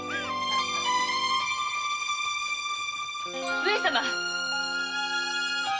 上様！